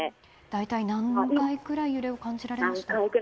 何回くらい揺れを感じられましたか？